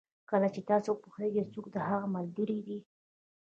کله چې تاسو پوهېږئ څوک د هغه ملګري دي.